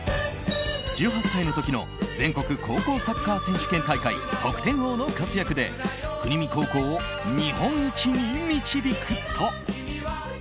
１８歳の時の全国高校サッカー選手権大会得点王の活躍で国見高校を日本一に導くと。